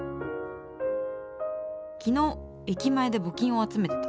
昨日駅前で募金を集めてた。